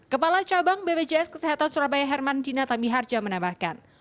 kepala cabang bpjs kesehatan surabaya herman dina tamiharja menambahkan